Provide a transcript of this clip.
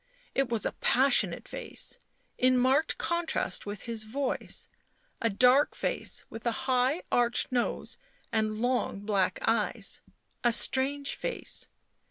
It was a passionate face, in marked contrast with his voice ; a dark face with a high arched nose and long black eyes; a strange face.